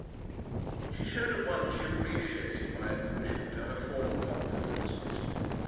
She showed at once she appreciated my allusion to her former confidences.